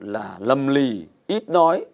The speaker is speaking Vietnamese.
là lầm lì ít nói